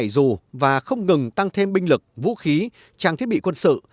dù và không ngừng tăng thêm binh lực vũ khí trang thiết bị quân sự